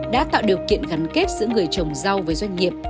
đã tạo điều kiện gắn kết giữa người trồng rau với doanh nghiệp